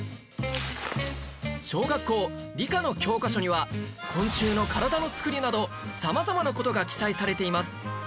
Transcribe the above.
小学校理科の教科書には昆虫の体のつくりなど様々な事が記載されています